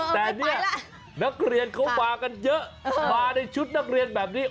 แต่เนี่ยนักเรียนเขามากันเยอะมาในชุดนักเรียนแบบนี้